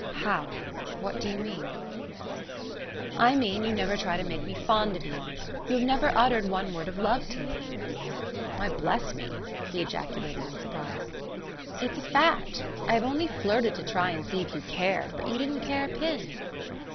"How? What do you mean?" "I mean you never try to make me fond of you. You have never uttered one word of love to me." "Why, bless me!" he ejaculated in surprise. "It's a fact. I have only flirted to try and see if you cared, but you didn't care a pin."